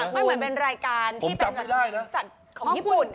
เหมือนเป็นรายการที่เป็นสัตว์ของญี่ปุ่น